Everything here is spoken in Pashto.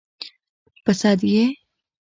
_ په سد يې؟